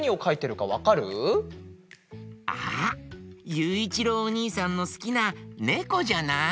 ゆういちろうおにいさんのすきなねこじゃない？